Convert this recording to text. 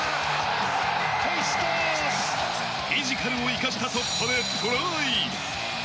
フィジカルを生かした突破でトライ。